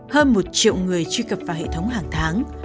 hơn một triệu người truy cập vào hệ thống hàng tháng